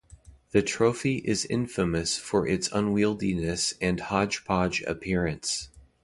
The trophy is infamous for its unwieldiness and hodgepodge appearance.